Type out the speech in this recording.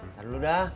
ntar dulu dah